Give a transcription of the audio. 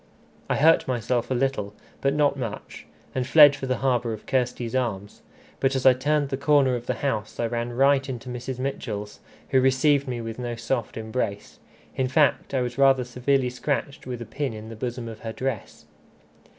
I hurt myself a little, but not much, and fled for the harbour of Kirsty's arms. But as I turned the corner of the house I ran right into Mrs. Mitchell's, who received me with no soft embrace. In fact I was rather severely scratched with a. pin in the bosom of her dress.